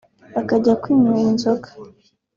akajya kwinywera inzoga